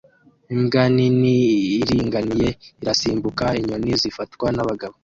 Imbwa nini iringaniye irasimbuka inyoni zifatwa nabagabo